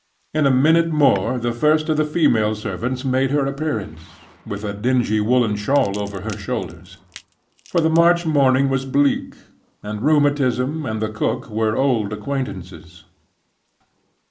In a minute more the first of the female servants made her appearance, with a dingy woolen shawl over her shoulders—for the March morning was bleak; and rheumatism and the cook were old acquaintances.